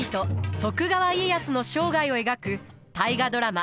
徳川家康の生涯を描く大河ドラマ